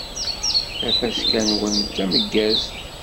Tafaska-nwen d tameggazt!